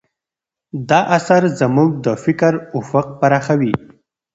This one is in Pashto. دا اثر زموږ د فکر افق پراخوي.